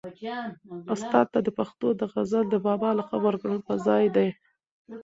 استاد ته د پښتو د غزل د بابا لقب ورکول په ځای دي.